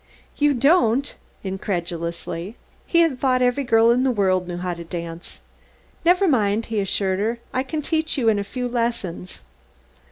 "You don't?" incredulously. He had thought every girl in the world knew how to dance. "Never mind," he assured her, "I can teach you in a few lessons."